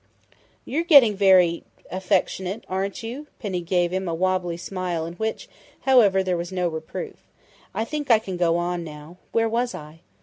"You're getting very affectionate, aren't you?" Penny gave him a wobbly smile in which, however, there was no reproof. "I think I can go on now . Where was I?"